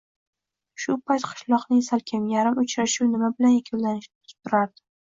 Shu payt qishloqning salkam yarmi uchrashuv nima bilan yakunlanishini kutib turardi.